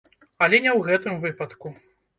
Але не ў гэтым выпадку.